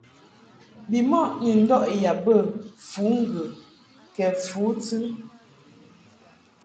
Bimɔʼ ni ndɔʼ yab bə fǔŋgə kɛ fǔtɨ.